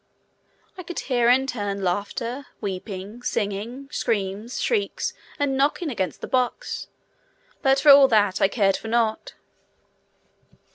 I could hear in turn, laughter, weeping, singing, screams, shrieks, and knocking against the box, but for all that I cared nought.